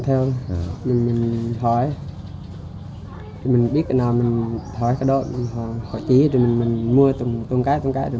theo mình hỏi mình biết cái nào mình hỏi cái đó mình hỏi chỉ mình mua từng tuần cái tuần cái rồi